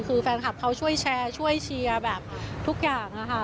คือแฟนคลับเขาช่วยแชร์ช่วยเชียร์แบบทุกอย่างนะคะ